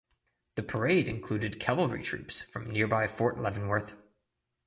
The parade included cavalry troops from nearby Fort Leavenworth.